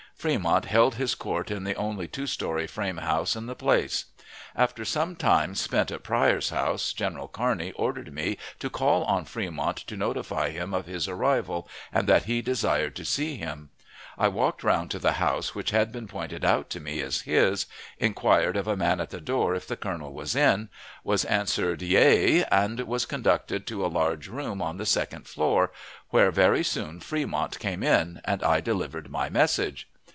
Fremont held his court in the only two story frame house in the place. After sometime spent at Pryor's house, General Kearney ordered me to call on Fremont to notify him of his arrival, and that he desired to see him. I walked round to the house which had been pointed out to me as his, inquired of a man at the door if the colonel was in, was answered "Yea," and was conducted to a large room on the second floor, where very soon Fremont came in, and I delivered my message.